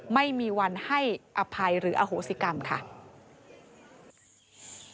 ไม่มีวันให้อภัยหรืออโหสิกรรมค่ะ